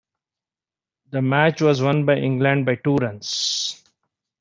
The match was won by England by two runs.